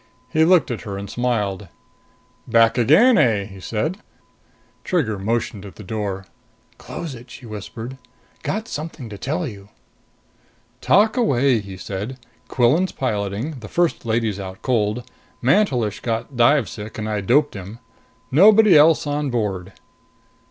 He looked at her and smiled. "Back again, eh?" he said. Trigger motioned at the door. "Close it," she whispered. "Got something to tell you." "Talk away," he said. "Quillan's piloting, the First Lady's out cold, and Mantelish got dive sick and I doped him. Nobody else on board."